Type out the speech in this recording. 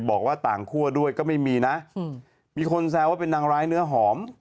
บอกว่าต่างคั่วด้วยก็ไม่มีนะมีคนแซวว่าเป็นนางร้ายเนื้อหอม